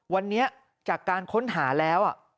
วันนี้จากการค้นหาแล้ว